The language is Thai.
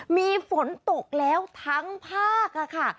มีฝนตกแล้วทั้งภาคค่ะ